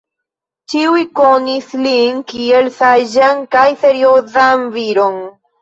Ĉiuj konis lin kiel saĝan kaj seriozan viron.